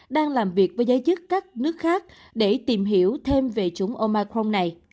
đang làm việc với giới chức các nước khác để tìm hiểu thêm về chủng omicron này